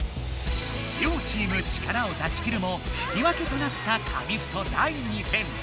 両チーム力を出しきるも引き分けとなった紙フト第２戦。